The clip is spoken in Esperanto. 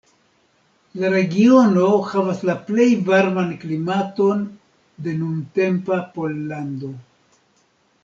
La regiono havas la plej varman klimaton de nuntempa Pollando.